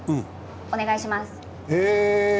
お願いします。